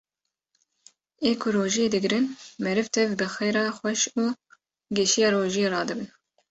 ê ku rojiyê digrin meriv tev bi xêra xweş û geşiya rojiyê radibin.